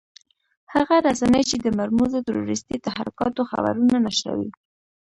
هغه رسنۍ چې د مرموزو تروريستي تحرکاتو خبرونه نشروي.